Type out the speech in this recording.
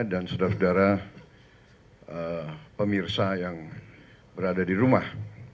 dan saudara saudara pemirsa yang berada di rumah